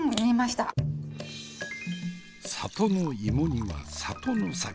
里の芋煮は里の酒。